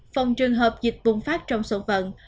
phòng trường hợp dịch bùng phát trong xuân vận